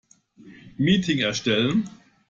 Meeting erstellen.